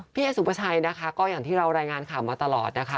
พี่เอสุภาชัยนะคะก็อย่างที่เรารายงานข่าวมาตลอดนะคะ